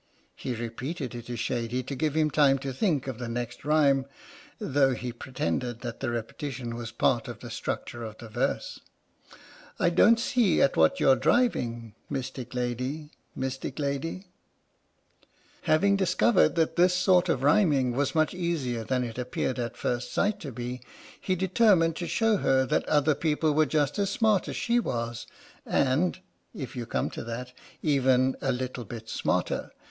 (He repeated "it is shady" to give him time to think of the next rhyme, though he pretended that the repetition was part of the structure of the verse.) 86 H.M.S. "PINAFORE" I don't see at what you're driving, Mystic lady — mystic lady! Having discovered that this sort of rhyming was much easier than it appeared at first sight to be, he determined to show her that other people were just as smart as she was, and (if you come to that) even a little bit smarter.